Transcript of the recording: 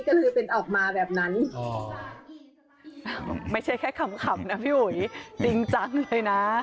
ก็คือเป็นออกมาแบบนั้นไม่ใช่แค่ขำนะพี่อุ๋ยจริงจังเลยนะ